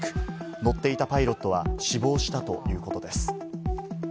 乗っていたパイロットは死亡したということです。